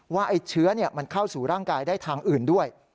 ว่าไอ้เชื้อมันเข้าสู่ร่างกายได้ทางอื่นด้วย